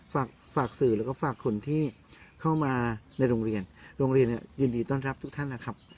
ฝากสื่อแล้วก็ฝากคนที่เข้ามาในโรงเรียนโรงเรียนยินดีต้อนรับทุกท่านนะครับ